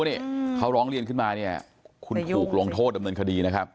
ไม่มีใครรู้ว่าเขาร้องเรียนขึ้นมาคุณถูกโรงโทษดำเนินคดีนะครับ